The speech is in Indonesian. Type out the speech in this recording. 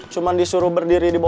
cuma disuruh berdiri di bawah